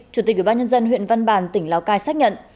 chủ tịch ủy ban nhân dân huyện văn bàn tỉnh lào cai xác nhận